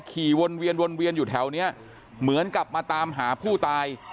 ขี่วนเวียนวนเวียนอยู่แถวนี้เหมือนกับมาตามหาผู้ตาย